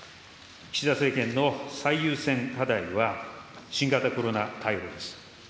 岸田政権の最優先課題は、新型コロナ対応です。